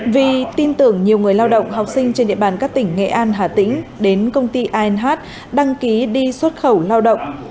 vì tin tưởng nhiều người lao động học sinh trên địa bàn các tỉnh nghệ an hà tĩnh đến công ty anh đăng ký đi xuất khẩu lao động